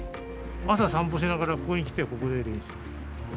朝散歩しながらここに来てここで練習する。